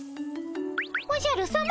おじゃるさま？